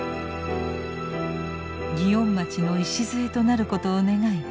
祇園町の礎となることを願い